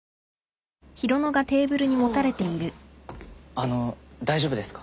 あの大丈夫ですか？